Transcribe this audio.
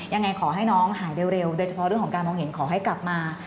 ยังไงขอให้น้องหายเร็วโดยเฉพาะเรื่องของการมองเห็นขอให้กลับมา